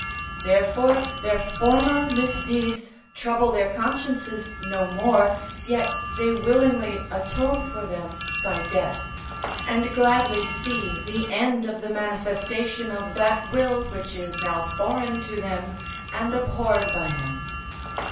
Therefore their former misdeeds trouble their consciences no more, yet they willingly atone for them by death, and gladly see the end of the manifestation of that will which is now foreign to them and abhorred by them.